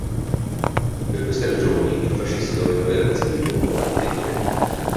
Per queste ragioni, il fascista doveva essere anzitutto un combattente.